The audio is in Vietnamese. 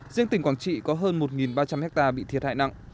riêng tỉnh quảng trị có hơn một ba trăm linh hectare bị thiệt hại nặng